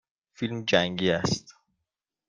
فیلم جنگی است.